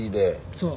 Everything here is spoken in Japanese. そう。